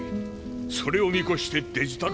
それを見越してデジタルトを？